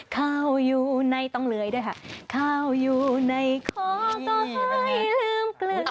ข้าวอยู่ในต้องเลื่อยด้วยค่ะข้าวอยู่ในคอก็ให้ลืมเกลือ